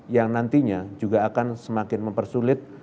yang nantinya juga akan semakin mempersulit